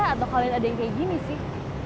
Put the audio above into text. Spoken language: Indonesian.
atau kalian ada yang kayak gini sih